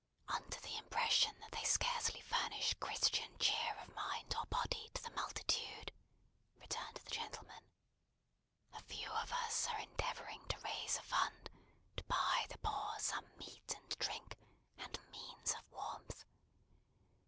"Under the impression that they scarcely furnish Christian cheer of mind or body to the multitude," returned the gentleman, "a few of us are endeavouring to raise a fund to buy the Poor some meat and drink, and means of warmth.